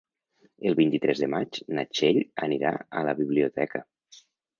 El vint-i-tres de maig na Txell anirà a la biblioteca.